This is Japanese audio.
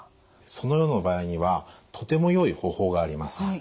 そのような場合にはとてもよい方法があります。